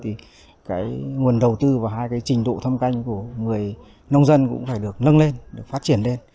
thì cái nguồn đầu tư và hai cái trình độ thâm canh của người nông dân cũng phải được nâng lên được phát triển lên